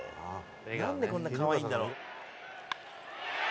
「なんでこんな可愛いんだろう？」